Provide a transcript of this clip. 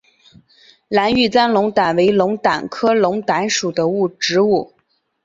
蓝玉簪龙胆为龙胆科龙胆属的植物。